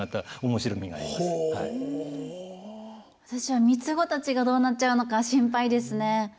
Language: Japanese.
私は三つ子たちがどうなっちゃうのか心配ですね。